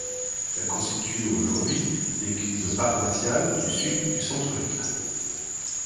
Elle constitue aujourd'hui l'église paroissiale du sud du centre-ville.